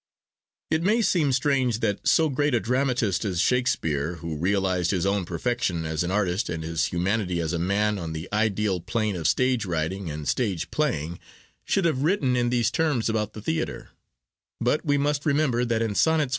It may seem strange that so great a dramatist as Shakespeare, who realised his own perfection as an artist and his humanity as a man on the ideal plane of stage writing and stage playing, should have written in these terms about the theatre; but we must remember that in Sonnets CX.